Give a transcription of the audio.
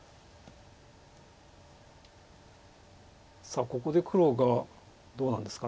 さあここで黒がどうなんですか。